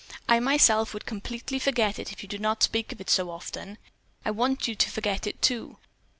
I myself would completely forget it if you did not speak of it so often. I want you to forget it, too.